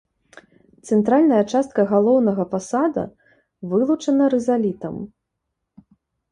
Цэнтральная частка галоўнага фасада вылучана рызалітам.